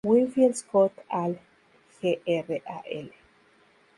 Winfield Scott al Gral.